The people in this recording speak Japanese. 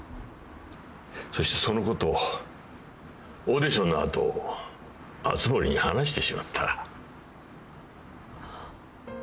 そしてそのことをオーディションの後熱護に話してしまった。